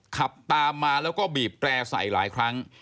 ขับตามมาแล้วก็บีบแตร่ใส่หลายครั้ง